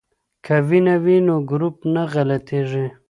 که وینه وي نو ګروپ نه غلطیږي.